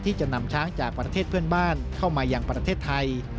ที่จะนำช้างจากประเทศเพื่อนบ้านเข้ามาอย่างประเทศไทย